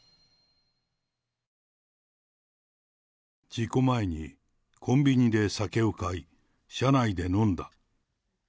事故前に、コンビニで酒を買い、車内で飲んだ。